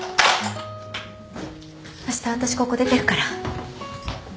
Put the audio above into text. あした私ここ出てくから